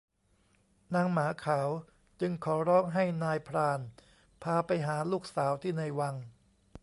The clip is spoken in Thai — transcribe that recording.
นางหมาขาวจึงขอร้องให้นายพรานพาไปหาลูกสาวที่ในวัง